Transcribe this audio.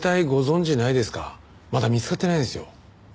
まだ見つかってないんですよ。